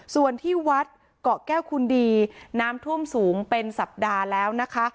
ส่วนที่วัดเกาะแก้วคุณดีน้ำท่วมสูงเป็นสัปดาห์แล้วนะคะ